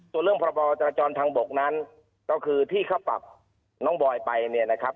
ส่วนเรื่องพรบจราจรทางบกนั้นก็คือที่เขาปรับน้องบอยไปเนี่ยนะครับ